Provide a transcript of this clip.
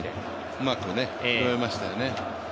うまくこらえましたよね。